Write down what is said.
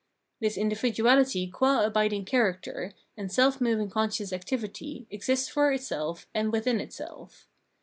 This individuahty qua abiding character, and self moving conscious activity exists for itself and within itself.